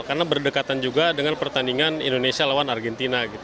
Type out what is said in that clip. karena berdekatan juga dengan pertandingan indonesia lawan argentina